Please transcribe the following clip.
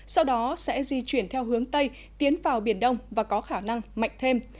sau đó sẽ di chuyển theo hướng tây tiến vào biển đông và có khả năng mạnh thêm